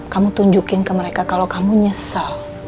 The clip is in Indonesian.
kamu tunjukin ke mereka kalau kamu nyesel